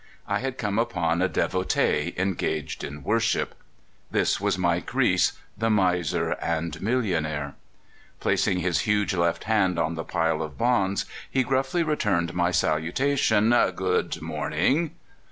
I had come upon a 'devotee engaged in worship. This was Mike (238) MIKE REESE. 239 Reese, the miser and millionaire. Placing his huge left hand on the pile of bonds, he gruffly re turned my salutation: "Good morning."